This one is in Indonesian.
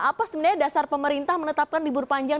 apa sebenarnya dasar pemerintah menetapkan libur panjang